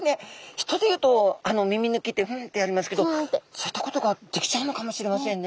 人で言うとあの耳抜きってフンッてやりますけどそういったことができちゃうのかもしれませんね。